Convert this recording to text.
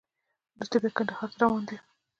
وروسته بیا کندهار ته روان دی.